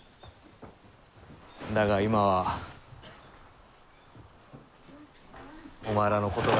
だが今はお前らのことが。